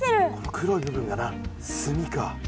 黒い部分がな炭か。